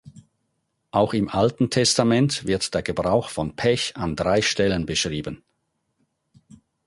Auch im Alten Testament wird der Gebrauch von Pech an drei Stellen beschrieben.